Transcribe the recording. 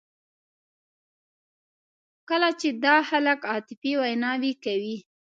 کله چې دا خلک عاطفي ویناوې کوي.